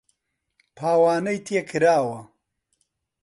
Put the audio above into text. پاوانەی تێ کراوە